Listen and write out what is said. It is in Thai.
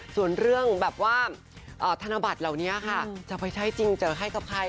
ส่วนเรื่องแบบว่าธนบัตรเหล่านี้ค่ะจะไปใช้จริงจะให้กับใคร